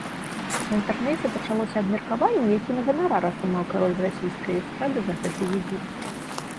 У інтэрнэце пачалося абмеркаванне, які ганарар атрымаў кароль расійскай эстрады за гэты візіт.